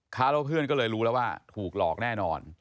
เขาเพื่อนก็เลยรู้แล้วว่าถูกหลอกแน่นอน